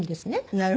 なるほど。